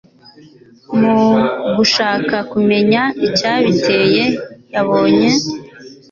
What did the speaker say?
mu gushaka kumenya icyabiteye, yabonye